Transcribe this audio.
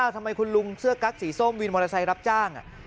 ทำไมคุณลุงเสื้อกั๊กสีส้มวินมทรายรับจ้าง